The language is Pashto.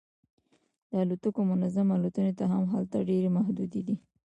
د الوتکو منظم الوتنې هم هلته ډیرې محدودې دي